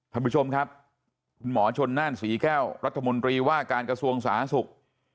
ท่านผู้ชมครับคุณหมอชนน่านศรีแก้วรัฐมนตรีว่าการกระทรวงสาธารณสุข